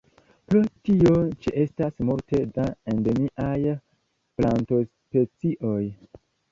Pro tio ĉeestas multe da endemiaj plantospecioj.